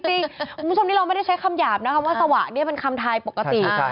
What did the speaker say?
คุณผู้ชมนี่เราไม่ได้ใช้คำหยาบนะคะว่าสวะนี่เป็นคำทายปกติ